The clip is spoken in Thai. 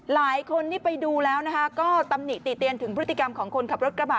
หลายคนที่ไปดูแล้วนะคะก็ตำหนิติเตียนถึงพฤติกรรมของคนขับรถกระบะ